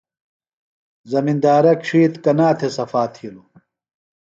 زمندارہ ڇھیتر کنا تھےۡ صفا تِھیلوۡ؟